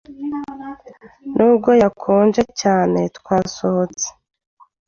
Nubwo hakonje cyane, twasohotse.